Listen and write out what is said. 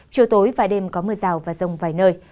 chiều tối và đêm có mưa rào và rông vài nơi